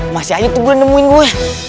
masih aja tuh gue nemuin gue